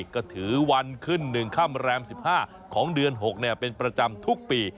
ก็ถือวันขึ้น๑ค่ำแรม๑๕ของเดือน๖เป็นประจำทุกปี